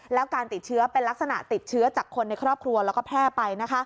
แล้วการติดเชื้อเป็นลักษณะติดเชื้อจากคนในครอบครัวแล้วก็แพร่ไป